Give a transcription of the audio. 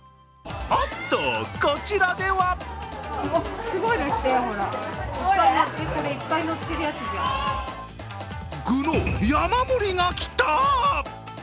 おっと、こちらでは具の山盛りがきた！